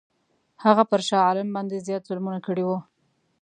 هغه پر شاه عالم باندي زیات ظلمونه کړي وه.